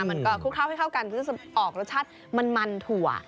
มันก็คลุกเข้าให้เข้ากันก็จะออกรสชาติมันถั่ว